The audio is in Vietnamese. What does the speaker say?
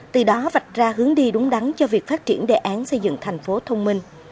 từ đó vạch ra hướng đi đúng đắn cho việc phát triển đề án xây dựng thành phố thông minh